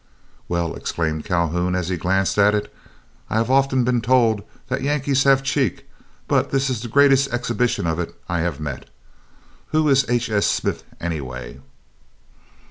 "Well," exclaimed Calhoun, as he glanced at it, "I have often been told that Yankees have cheek, but this is the greatest exhibition of it I have met. Who is H. S. Smith, anyway?"